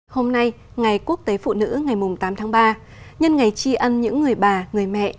hôm nay ngày quốc tế phụ nữ ngày tám tháng ba nhân ngày tri ân những người bà người mẹ